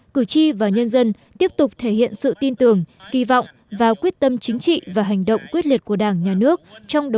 cử tri và nhân dân tiếp tục thể hiện sự tin tưởng kỳ vọng và quyết tâm chính trị và hành động quyết liệt của đảng